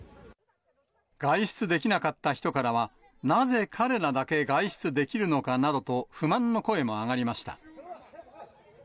外出できなかった人からは、なぜ彼らだけ外出できるのかなどと、不満の声も上がりました。